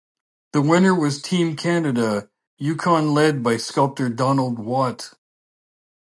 The winner was Team Canada - Yukon, led by sculptor Donald Watt.